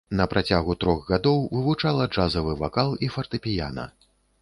На працягу трох гадоў вывучала джазавы вакал і фартэпіяна.